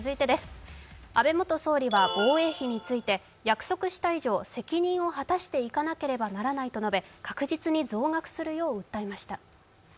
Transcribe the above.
安倍元総理は防衛費について約束した以上、責任を果たしていかなければならないと述べ確実に増額するよう訴えました。